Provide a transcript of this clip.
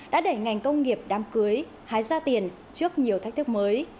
đã đẩy ngành công nghiệp đám cưới hái ra tiền trước nhiều thách thức mới